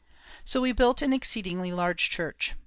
So we built an exceedingly large church.